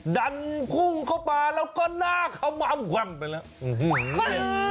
ดันกุ้งเข้ามาแล้วก็หน้าเขามัมวั่งไปแล้ว